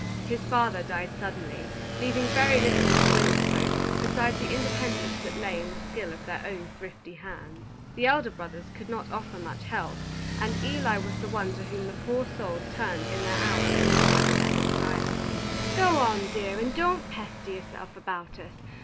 His father died suddenly, leaving very little for the women folk besides the independence that lay in the skill of their own thrifty hands. The elder brothers could not offer much help, and Eli was the one to whom the poor souls turned in their hour of sorrow and anxiety. "Go on, dear, and don't pester yourself about us.